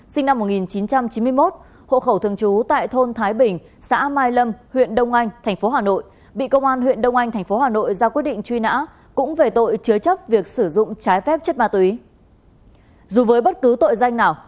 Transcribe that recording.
xin chào các bạn